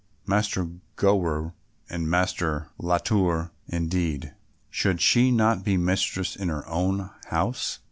Master Gower and Master Latour indeed! should she not be mistress in her own house?